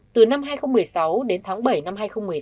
từ năm hai nghìn một mươi sáu đến tháng bảy năm hai nghìn một mươi tám